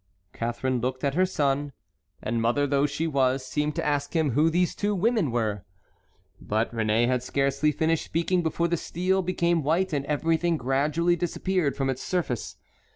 Catharine looked at her son, and, mother though she was, seemed to ask him who these two women were. But Réné had scarcely finished speaking before the steel became white and everything gradually disappeared from its surface.